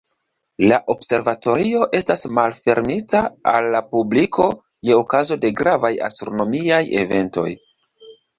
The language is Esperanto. La observatorio estas malfermita al la publiko je okazo de gravaj astronomiaj eventoj.